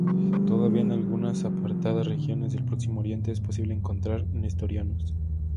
Todavía en algunas apartadas regiones del Próximo Oriente es posible encontrar nestorianos.